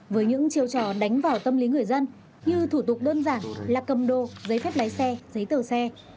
với những chiêu trò đánh vào tâm lý người dân như thủ tục đơn giản là cầm đồ giấy phép lái xe giấy tờ xe